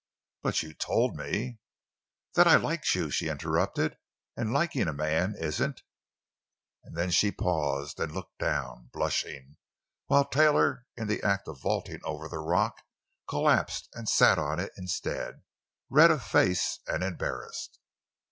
"But you told me——" "That I liked you," she interrupted. "And liking a man isn't——" And then she paused and looked down, blushing, while Taylor, in the act of vaulting over the rock, collapsed and sat on it instead, red of face and embarrassed.